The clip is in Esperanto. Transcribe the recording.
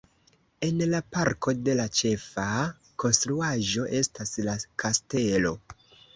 En la parko la ĉefa konstruaĵo estas la kastelo.